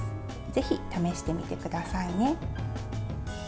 ぜひ試してみてくださいね。